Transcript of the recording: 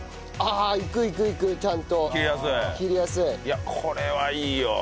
いやこれはいいよ。